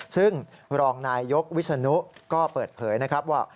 ซึ่งรองนายยกวิศนุก็เปิดเผยนะครับว่า